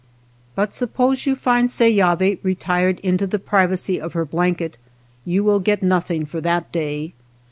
But suppose you find Seyavi re tired into the privacy of her blanket, you will get nothing for that day.